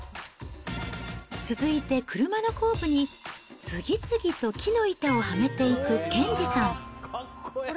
続いて車の後部に、次々と木の板をはめていく兼次さん。